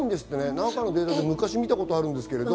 何かのデータで昔、見たことがあるんですけど。